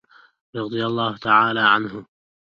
رضي الله تعالی عنه.